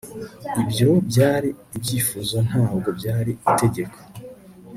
Ibyo byari ibyifuzo ntabwo byari itegeko